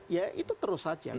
ya itu terus saja